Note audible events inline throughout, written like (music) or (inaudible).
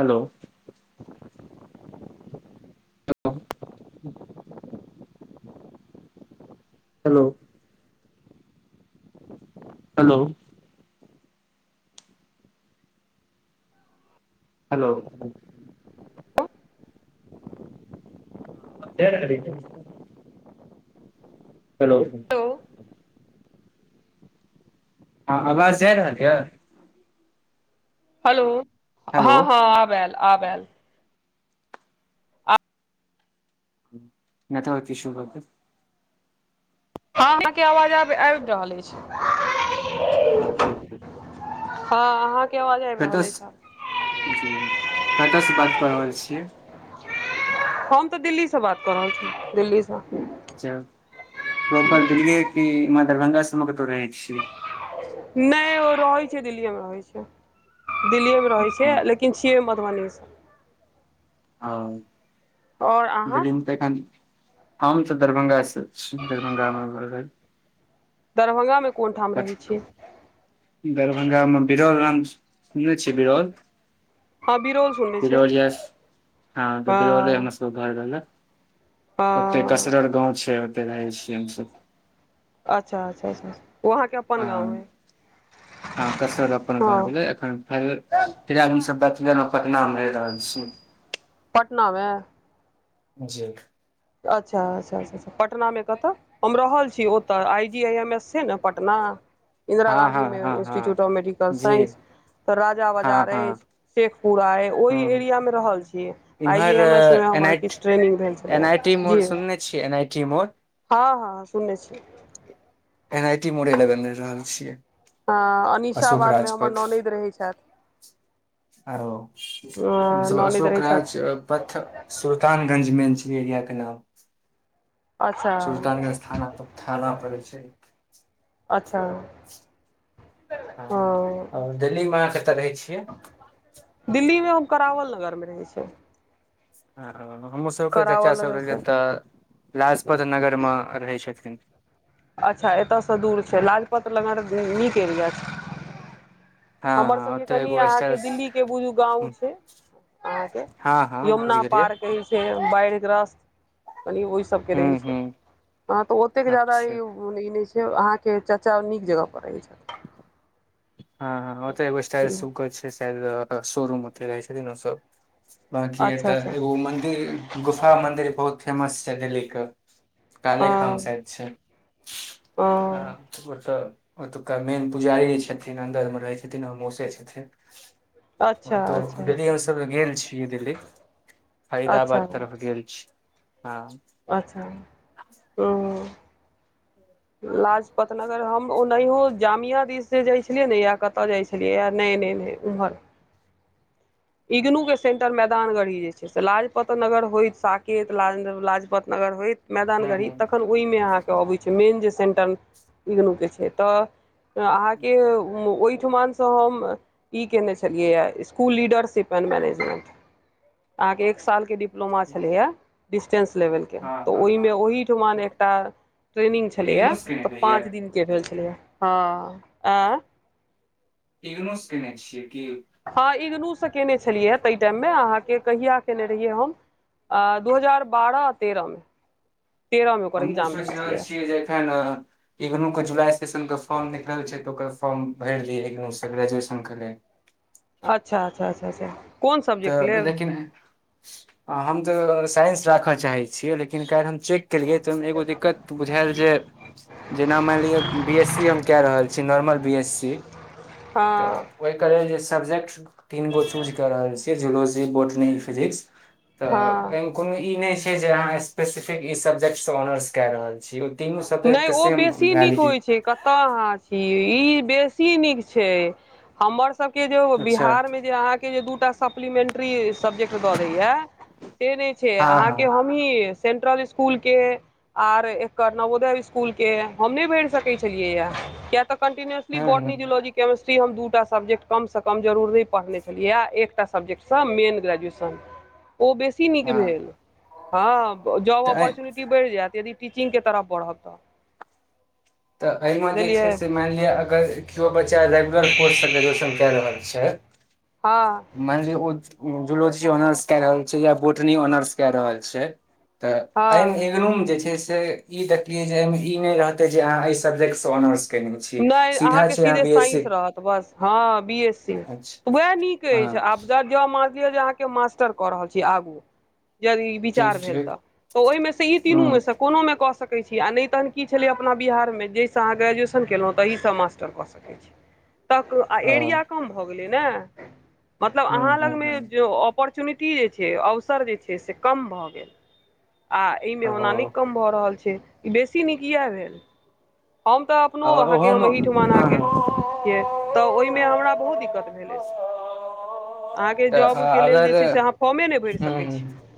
Hello. Hello. Hello. Hello. हे कर री हेलो। ओ। हँ, आवाज जा रहल यै। हेलो, हेलो हँ, हँ, आब आएल आब आएल नहि तऽ हो कि बतै हँ अहाँकेँ आवाज आब आबि रहल अछि। ह छै ह अहाँ कतयसँ जी कतऽसँ बात कऽ रहल छियै हम तऽ दिल्लीसँ बात कऽ रहल छी दिल्लीसँ प्रॉपर देलियै कि दरभंगा सब कतौ रहै नहि ओ रहैत छै दिल्लीए में रहै छै दिल्लीएमे रहैत छै हँ लेकिन किन छियै मधुबनीसँ आ आओर अहाँ ददिन तऽ एन हम तऽ दरभंगा सऽ देख गानमें ब दरभंगा में कोन ठाम रहै छिय दरभंगा में बिरल राम सुनने छ बिरल हँ बिरौल सुनने छियै बिरौल हय हँ छय घर रहलला ओते हँ कसरर गाँव छै ओते रहै छीय हमस अच्छा अच्छा वहाँके ह हँ कस अपना क हँ भेलै एन फ फिर आदमी सब ब गेलेलं पटना में ह रहल छी पटना में जी अच्छा अच्छा पटना में कतऽ हम रहल छी ओतऽ आइ एम एस ने पटना इंन्दिरा हँ गाँधी हँ हँ हँ इंस्टीट्यूट ऑफ मेडिकल जी साइंस तऽ राजा हँ बाजार हँ अछि शेखपुरा अय ओइ हूँ एरिया मे रहल छियै आइ जी इम्हर एम एस मे एन हमर आइ किछ ट्रेनिंग भेल छलै एन ऐय आइ टी मोर सुनने छियै एनआइटी मोर हँ हँ हँ सुनने छियै एनआइटी मोरे लगन रहि रहल छियै हँ अशोक अनीशाबाद मे हमर राजपथ ननैद रहैत छथि आरो मतलव ननैद अशोक रहै राज छथि अ पथ सुल्तानगंज मेन छैै एरिया के नाम अच्छा सुल्तानगंज थाना पर थाना पड़ै छै अच्छा हँ दिल्ली में अहाँ कतऽ रहै छियै दिल्ली में हम करावल नगरमे रहै छै ह हमरँ सबके चच्चा करावल सब नगर रहलै छै तऽ लाजपत नगर में रहै छथिन अच्छा एतयसँ दूर छै लाजपत लगर नीक एरिया छै हँ हमर हँ सबकेँ ओतऽ कनि एगो स्टार अहाँकेँ दिल्ली केँ बुझू गाँंव छै आहां के हँ हँ बुझ यमुना गेलियै पार कहैछ से बाढ़ि ग्रस्त कनि ओहि सब के हूँ रहै छै हूँ हाँ तऽ ओतेक जादा इ अच्छा उ ओहन ई नहि छै अहाँ केँ चाचा नीक जगह पर अछि हँ हँ ओतय एगो स्टायल छथिन सुग छै शायद शोरूम ओतल रहै छथिन ओ सब बांकी अच्छा एतऽ अच्छा एगो मन्दिर गुफा मन्दिर बहुत फेमस छै दिल्लीे क काले हँ खम सायद छै हँ (unintelligible) ओतुका मेन पुजारी जे छथिन अन्दर मे रहै छथिन हमर मोसे छथिन हं अच्छा तो अच्छा दीदील अच्छा सभ लग गेल छियै दिल्ली अच्छा फायदाबाद तरफ गेल छी हँ अच्छा ओ लाजपत नगर हम ओ नाहियो जामिया दिस से जाइ छलियै ने या कतऽ जाइ छलियै नहि नहि नहि उम्हर इग्नू कें सेन्टर मैदानगढ़ी जे छै से लाजपत नगर होइत साकेत ल लाजपत नगर होइत मैदान हूँ गढ़ी हूँ तखन ओहिमे अहाँकेँ अबै छै मेन जे सेंटर इग्नूकेँ छै तऽ अहाँके ओईठमानसँ हम ई केने छलियै इकुल लीडर शिपेन मैनेजमेंट (inaudible) अहाँकेँ एक साल केँ डिप्लोमा छलिया डिस्टेंस लेबल केँ हँ तऽ हँ ओएमे ओहिठामा एक टा ट्रेनिंग छलैआ इग्नूस केने तऽ रहियै पाँच दिन के भेल छलै हँ ऐँ इग्नोस केने छियै कि हँ इग्नूसँ केयने छलिय हे तै टाइममे अहाँ केँ कहिया केयने रहियै हम आ दू हजार बारह आ तेरहमे तेरहमे ओकर हमह हुँ एग्जाम भेल सोचि रहल छलैए छियै एखन इग्नू केँ जुलाई सेशन केँ फॉर्म निकल छै तऽ ओकर फॉर्म भर दिय इग्नू स ग्रेजुएशन क लेल अच्छ अच्छ अच्छ अच्छ कोन सब्जेक्ट लेब आ हम तऽ साइंस राखऽ चाहै छियै लेकिन काइल हम चेकऽ केलियै तऽ एगो दिक्कत बुझायल जे जेना माइनलिए बी एस सी हम कए रहल छी नॉर्मल बी एस सी तऽ हँ ओहिके रेल जे सब्जेक्ट तीन गो चूज कऽ रहल छियै जुलॉजी बोटनी फिजिक्स तऽ हँ एहिमे कोनो ई नहि छै जे अहाँ स्पेसिफिक ई सब्जेक्टसँ ऑनर्स कए रहल छी तीनू सब्जेक्ट कऽ सेम भैलीटी कतय अहाँ छी ई बेसी नीक छै हमर अच्छा बिहार मे जे अहाँकेँ के जे दो टा सप्लीमेंट्री सब्जेक्ट दऽ दैए से नै छै हँ हँ अहाँकेँ (unintelligible) सेंट्रल इसकुल के आर नवोदय स्कूल के हम नय भेर सकैत छलियै है किया तऽ कंटिन्यसली हूँ हूँ बोटनि जूलॉजी केमेिस्ट्री हम दूटा सब्जेक्ट कमसँ कम जरूर नय पढ़ने छलियै है एकटा सब्जेक्टसँ मेन ग्रैजुएशन (inaudible) ओ बेसी नीक हँ भेल हँ जॉब तऽ ऑपरचुनिटी बढ़ि जयत यदि चीन के तरह पढ़ब तऽ तऽ एहिमें जे छै बुझलियै से मानि लिअ अगर केओ बच्चा रेगुलर कोर्ससँ ग्रेजुएशन कए रहल छय हां माइन लि ओ जूलोजी ऑनर्स कौ रहल छै या बोटनी ऑनर्स कौ रहल छै तऽ एहिमें हँ इगनु जे छै से ई देखलियै जे एहिमे ई नहि रहते जे अहाँ एहि सब्जेक्ट से ऑनर्स केने छी नहि सीधा अहाँके छय अहाँ सीधे बी एस सी साइंस रहत बस हँ बी एस सी अच्छा त वएह नीक अछि हँ आबदा मानलियौ जे अहाँ केँ मास्टर कऽ रहल छी आगू यदि विचार ठीक भेल ठीक त तो ओहि मे से इ तीनू हूँ मे स कोनो मे कऽ सक नै तहन की छलै अपना बिहार मे जैस आहाँ ग्रेजुएसन (unintelligible) मास्टर कऽ सकै छी तऽ आ ओ एरिया कम भऽ गेलै ने मतलब हूँ अहाँ लग हूँ हूँ में जे अपरचुनिटी जे छै अवसर जे छै से कम भऽ गेल आ एहिमें ओना नहि ओ कम भ रहल छय बेसी निक एहै भेल हम त कखनो आओर अहाँके हम ओहोमे एहिठमान हँ के हँ छियै तऽ ओहि में हमरा बहुत दिक्कत भेल अछि अहाँके तऽ जॉबके लेल जे अगर छै से अहाँ फॉर्मे नय भरि हूँ सकैत छी हूँ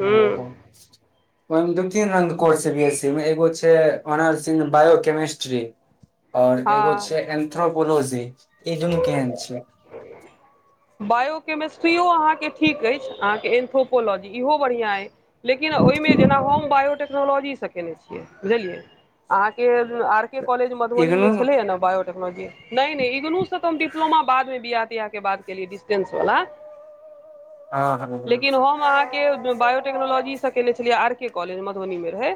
हूँ ओहि दू तीन रन कोर्स छै बी एस सी में एगो छै ऑनर्स इ बायो केमिस्ट्री ओर एगो हँ छय एन्थ्रोपोलॉजी ई दुनु केहन छै बायोकेमेस्ट्रिो अहाँके ठीक अइछ अहाँके एन्थोपोलॉजी इहो बढ़िआँ अइ लेकिन ओहि में जेना हम बायोटेक्नोलॉजी से केने छियै बुझलियै अहाँके आर के कॉलेज मधुबनी इगनू में छलै ने बायोटेक्नोलॉजी टेक्नोलॉजी नहि नहि इगनु से तऽ हम डिप्लोमा बादमे बियाह तियाह केलियै डिस्टेंस वला हँ हँ लेकिन हम अहाँक केँ बायोटेक्नोलॉजी से केने छलियै आर केँ कॉलेज मधुबनी मे रहै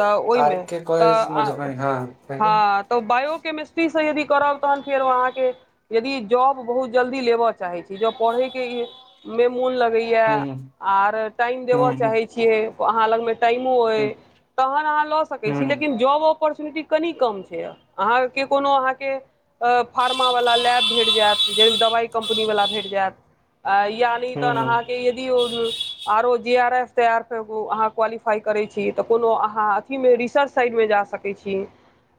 तऽ आर ओहिमे के तऽ कॉलेज अ मधुबनी हँ हँ तऽ बायो केमस्ट्री से यदि करब तहन फेर अहाँकेँ यदि जॉब बहुत जल्दी लेबऽ चाहै छी जब पढ़ै केँ ई मे मोन लगै य हूं लगैया और टाइम देबअ हूं चाहय छिये आहाँ लग मे टाइमो अइ हूं तहन आहा ल सकय छी हूं लेकिन जैबो अपॉर्चुनिटी कनि कम छै यऽ अहाँकेँ कोनो अहाँकेँ अ फार्मा वाला लैब भेट जायत जाहिमे दबाइ कम्पनीवला भेट जायत या नहि तहन हूं अहाँकेँ यदि ओ आरो जे आर एफ ते आर एफ अहाँ क्वालिफाई करे छी त कोनो अहाँ अथी मे रिसर्च साइड मे जा सक सकै छी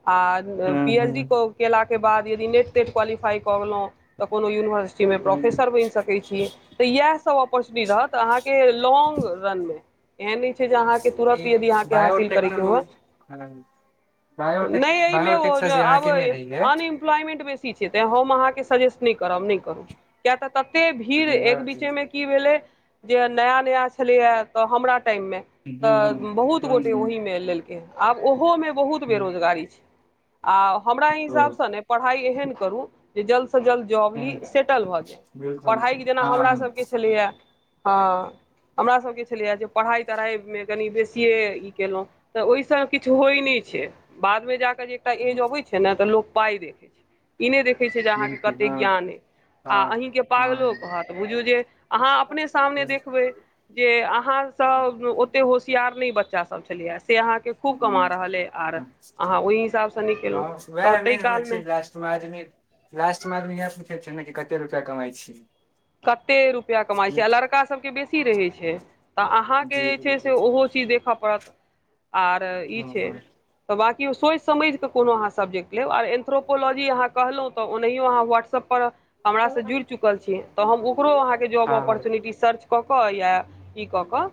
आ हूं पी एच डी केला केँ बाद यदि नेट तेट क्वालिफाई कऽ गेलहुँ तऽ कोनो यूनिवर्सिटीमे हूं प्रोफेसर बनि सकैत छियै तऽ यैहसभ ऑपर्चुनिटी रहत तऽ अहाँकेँ लौंग रन मे एहन नहि छै जे अहाँकेँ तुरंत ई यदि अहाँकेँ हासिल करै केँ होए बायोटेक्नोलॉजी हँ बायोटेक नहि अइमे बायोटेक से जे (unintelligible) अब अहाँके नहि आनी रहियै इम्प्लॉयमेन्ट सीट छै से तऽ हम अहाँकेँ सजेस्ट नहि करब नहि करू किया तऽ तते भीड़ एक बीचे बायोटेक मे की भेलै जे नया नया छलै य तऽ हमरा टाइम मे हूं तऽ बहुत हूं गोटे हूं ओहीमे लेलकै आब ओहोमे बहुत हूं बेरोजगारी छै आ हमरा ओ हिसाब से नऽ पढ़ाई एहन करू जे जल्द सँ जल्द जॉब हूं ली सेटल भऽ जाइ बिलकुल पढ़ाइ जेना हँ हमरा हँ सभ केँ छलै य हँ हमरासभके छलै यऽ जे पढ़ाइ तढ़ाइमे कनि बेसिए ई केलहुँ तऽ ओहि से किछ होय नहि छै बाद मे जाके जे एकटा एज अबै छै नऽ तऽ लोक पाइ देखै छै ई नहि देखै छै जे अहाँकेँ बिलकुल कते हँ ज्ञाने आ हँ आहीकेँ पागलो हँ कहत बुझू जे अहाँ अपने सामने देखबै जे अहाँ सब ओते हो सियार नै बच्चा सब छलै य से अहाँकेँ खूब कमा रहलइ आर अहाँ ओहि हिसाबसँ नहि केलहुँ हँ तऽ वएह ताहि मेन होइ कालमे छै लास्ट आदमी लास्ट मे आदमी यैह पूछे छै नऽ कते रुपया कमाइ छी कते रुपैया कमाइ छी आ लड़का सभ केँ बेसी रहै छै तऽ अहाँकेँ जी जे छै से बिलकुल ओहो चीज देखय पड़त आर ई छै हँ तऽ बाँकि ओ सोइच समइझ कऽ कोनो अहाँ सब देख लेब आ एन्थोपोलॉजी अहाँ कहलहुँ तऽ ओनाहियो अहाँ वाट्सप पर हमरा से जुड़ि चुकल छी तऽ हम ओकरो आहाँके जाव हँ अपरटूनिटि रिसर्च कऽ कऽ या ई कऽ कऽ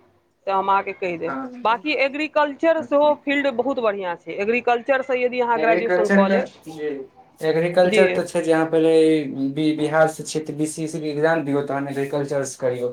से हम अहाँकेँ कहि देब हँ बाकी एग्रीकल्चर सेहो हँ फील्ड बहुत बढ़िया छै एग्रीकल्चर से यदि अहाँ ग्रेजुएशन एग्रीकल्चर कऽ लेब क (unintelligible) एग्रीकल्चर जी तऽ छै जे अहाँ पहिले ई बिहार सँ छिये तऽ बी सी ई सी केँ एग्जाम दियऔ तह एग्रीकल्चरस करियौ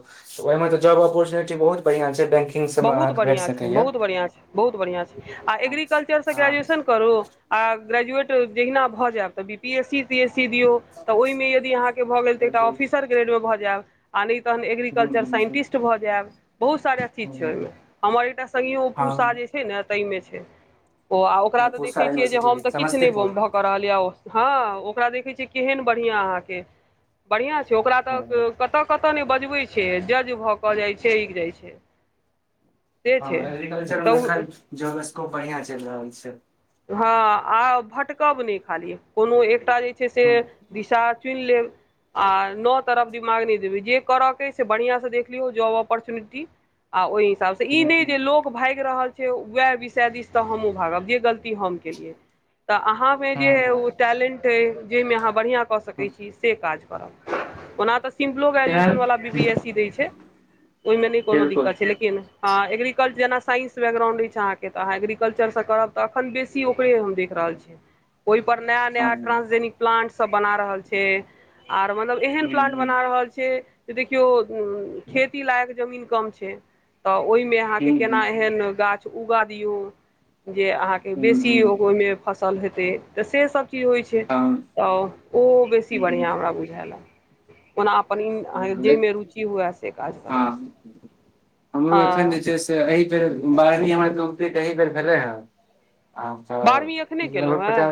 ओहिमे तऽ जॉब अपऑर्चुनिटी बहुत बढ़िया छैै बैंक बहुत बढ़िया छै बहुत बढ़िया छै बहुत बढ़िया छै आ एग्रीकल्चर सँ हँ ग्रेजुएशन करू आ ग्रेजवैट जहिना भऽ जायब तऽ बी पी एस सी (unintelligible) दियौ तऽ ओहिमे यदि अहाँकेँ भऽ गेल तऽ एकटा बिलकुल ऑफिसर ग्रेड मे भऽ जायब आ नहि तहन एग्रीकल्चर साइंटिस्ट भऽ जायब बहुत सारा ची छै ओहिमे हमर एकटा संभियो पूषा हँ जे छै नऽ ताहिमे छै ओ आ ओकरा तऽ पूसा देखे छियै जे यूनिवर्सिटी हम तऽ किछ नहि ब समस्तीपुर भ काय रहलय हँ ओकरा देखे छिये केहेन बढ़िया आहाँके बढ़िया छै से ओकरा हँ तऽ कतऽ कतऽ नहि बजबै छै जज भऽ कऽ जाइ छै जाइ छै से छै हँ एग्रीकल्चर मे तऽ एखन जॉब स्कोप बढ़िया चलि रहल छै हँ आ भटकब नहि खाली कोनो एकटा जे छै से दिशा चुनि लेब आ नओ तरफ दिमाग नहि देबै जे करयके अइ से बढ़िआँ से देख लियौ जॉब अपॉर्चुनिटी आ ओहि हिसाबसँ ई बिलकुल नहि जे लोक भागि रहल छै उएह विषय दिस तऽ हमहूँ भागब जे गलती हम कलये तऽ अहाँ जे हँ हूँ टैलेंट जाहिमे अहाँ बढ़ि कऽ हूँ सकैत छी से काज करब ओना तऽ सिम्पलो ग्रेजुएशन वला बी पी एस सी दै छै ओहिमे नहि कोनो दिक्कत छैेकिन ल हँ एग्रीकल्चर जेना साइंस बकग्राउंड अछि अहके तऽहाँ एग्रीकल्चरसँ करब तऽ बेसी ओकरे हम देख रहल छी ओहि पर नया नया ट्रांसजिक प्लांट सब बना रहल छै आर मतलब एहन प्लांट बना हूँ रहल छै जे देखियौ खेती लायक जमीन कम छै तऽ ओहिमे अहाँके केना हूँ एहन गाछ उगा दियौ जे अहाँ के हूँ बेसी हूँ ओहिमे फसल हेतै तऽ से सब की होइ छै हँ तऽ ओहो बेसी हँ बढ़िआँ हमरा बुझायलए ओना अपन अहाँ जाहिमे रुचि हुए से काज करब हमरो एखन हँ जे छै से एहि बेर बाहरमी हमर तऽ ए भेलै हन बारहवीं एखने केलहुँ हेँ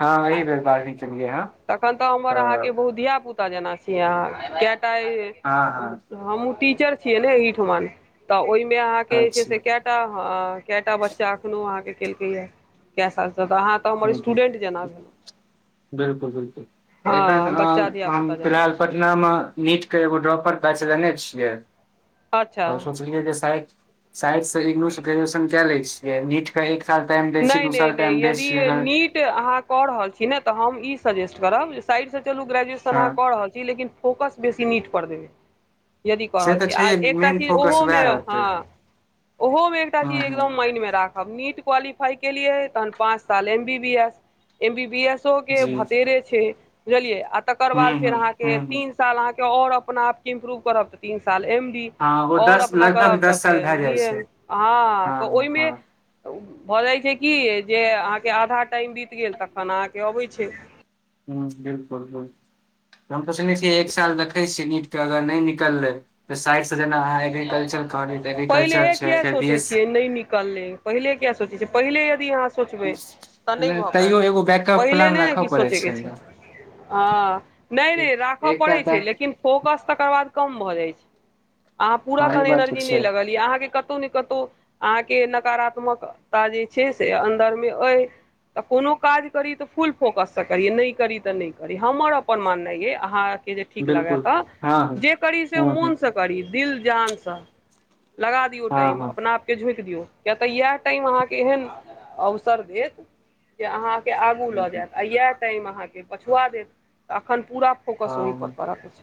हँ एहि बेर बारहवीं केलियै हँ तखन तऽ हमर अहाँके बहु धिया पुता क जाना छी अहाँ कियातय हँ हँ हम टीचर छियै ने एहिठमन तऽ ओहिमे अहाँ के जे छै अच्छा से हूँ कएटा कटा बच्चा अखनो अहाँ के केलकय क हाँ ह बिलकुल बिलकुल एखन हँ बच्चा अ हम धियापुता जेना फिलहाल पटना मे नीट के एगो ड्रॉपर बैच लेने छियै अच्छा आओर सोचलियै जे साइड स इंगनू स ग्रेजुएशन कए ले छिये य नीट के एक साल टाइम देय छी नहि दू नहि साल टाइम नहि देय छी यदि नीट अहाँ कऽ रहल छी ने तऽ हम ई सजेस्ट करब जे साइडसँ चलू ग्रेजुएशन हँ अहाँ कऽ रहल छी लेकिन फोकस बेसी नीट पर देबै यदि कऽ से रहल तऽ छी आ छैहे एकटा मेन चीज फोकस ओहोमे वएह रहतै हँ ओहोमे एकटा हँ चीज हँ एकदम माडमे राखब नीट क्वाली लियै तहन पाँच साल M B B S M B B S के जी भतेरे छै बुझलियै आ तकर हुं बाद फेर हुं अहाँके हुं हुं तीन साल अहके और अपना आप के इम्प्रूव करब तऽ तीन साल एम डी हँ ओ आओर दस अपना लगभग करब तऽ दस साल भए फेर डी जाइ छै एम हँ तऽ हँ ओहिमे हँ तऽ भऽ जाइत छै की जे अहाँके आधा टाइम बीत गेल तखन अहाँके अबै छैय ह बिल्कुल बिल्कुल हम तो सीचने छिय एक साल देखै छियै नीट के अगर नहि निकललै तऽ साइड से जेना अहाँ एग्रीकल्चर कहलिय एग्रीकल्चर छै फेर बस ले पहिले क्य सोचै छै पहिले यदि यहाँ सोचबै तऽ नहि भऽ पायत तैयो एगो बैकअप पहिले प्लान नहि ने राखऽ कि पड़ै सोचैके छै ने हँ नहि नहि एक राखय एकटा पड़ैत छै तऽ लेकिन फोकस तकर बाद कम भऽ जाइत छै अहाँ पूरा हँ ई तहन बात तऽ एनर्जी नहि छै लगलियै अहाँके कत कतौ न कतौ अहाँके नकारात्मकता जे छैय से अन्दर मे अइ तऽ कोनो काज करी तऽ फुल फोकससँ करी नहि करी तऽ नहि करी हमर अपन माननाइ अइ अहाँके जे ठीक लागे बिल्कुल तऽ हँ हँ जे करी से हँ हँ मोनसँ करी दिल जान से लगा दियौ हँ टाइम हँ अपना आपके झोइक दियौ किय तऽ इएह टाइम अहाँकेँ एहन अवसर देत जे अहाँकेँ आगू लऽ जायत आ इएह टाइम अहाँकेँ पछुआ देत तऽ एखन पूरा फोकस हँ ओहिपर परत।